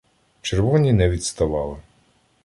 Червоні не відставали.